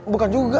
bukan juga bukan